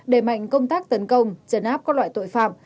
đề mạnh công tác tấn công trấn áp các loại tội phạm